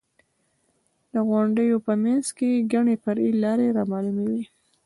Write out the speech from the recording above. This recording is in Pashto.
د غونډیو په منځ کې ګڼې فرعي لارې رامعلومې وې.